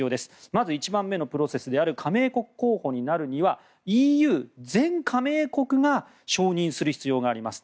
まず１番目のプロセスである加盟国候補になるにはＥＵ全加盟国が承認する必要があります。